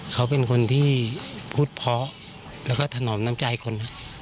เขาเป็นคนที่พูดเพราะแล้วก็ถนอมน้ำใจคน